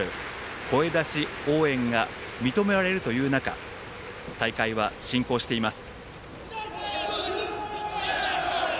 声出し応援が認められるという中大会は進行しています。